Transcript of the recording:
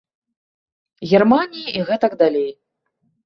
Германіі і гэтак далей.